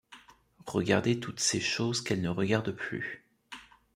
Regarder toutes ces choses Qu’elle ne regarde plus ?